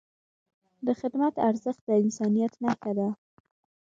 د خدمت ارزښت د انسانیت نښه ده.